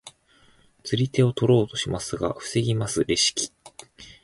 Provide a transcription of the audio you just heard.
釣り手を取ろうとしますが防ぎますレシキ。